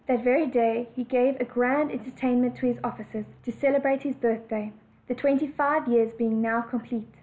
That very day he gave a grand en tertainment to his officers, to celebrate his birthday, the twenty five years being now complete.